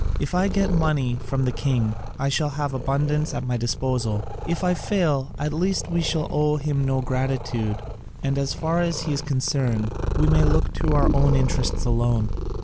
If I get money from the king, I shall have abundance at my disposal: if I fail, at least we shall owe him no gratitude, and as far as he is concerned we may look to our own interests alone."